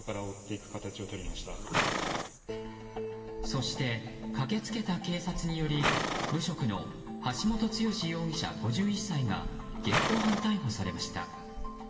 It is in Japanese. そして駆けつけた警察により無職の橋本強容疑者、５１歳が現行犯逮捕されました。